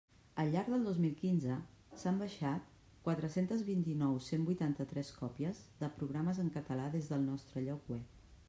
Al llarg del dos mil quinze s'han baixat quatre-centes vint-i-nou cent vuitanta-tres còpies de programes en català des del nostre lloc web.